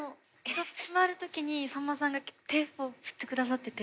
閉まる時にさんまさんが手を振って下さってて。